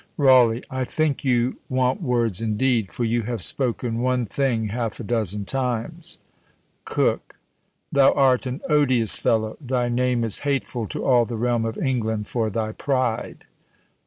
RAWLEIGH. I think you want words indeed, for you have spoken one thing half a dozen times. COKE. Thou art an odious fellow; thy name is hateful to all the realm of England for thy pride.